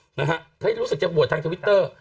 เขาให้รู้สึกจะโหวตทางทวิตเตอร์